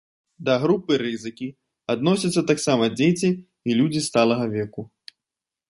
Да групы рызыкі адносяцца таксама дзеці і людзі сталага веку.